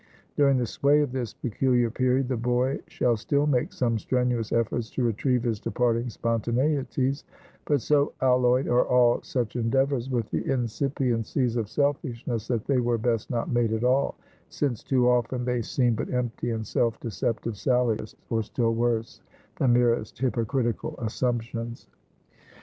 During the sway of this peculiar period, the boy shall still make some strenuous efforts to retrieve his departing spontaneities; but so alloyed are all such endeavors with the incipiencies of selfishness, that they were best not made at all; since too often they seem but empty and self deceptive sallies, or still worse, the merest hypocritical assumptions.